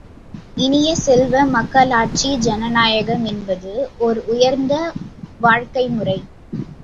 இனிய செல்வ, மக்களாட்சி ஜனநாயகம் என்பது ஒர் உயர்ந்த வாழ்க்கை முறை.